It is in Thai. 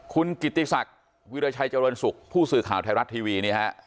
คุณกิติศักดิ์วิราชัยเจริญสุขผู้สื่อข่าวไทยรัฐทีวีนี่ฮะ